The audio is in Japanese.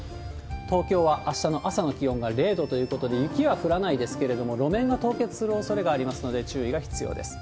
東京はあしたの朝の気温が０度ということで、雪は降らないですけれども、路面の凍結するおそれがありますので、注意が必要です。